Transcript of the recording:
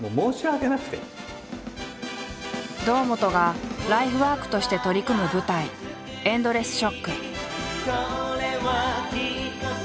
堂本がライフワークとして取り組む舞台「ＥｎｄｌｅｓｓＳＨＯＣＫ」。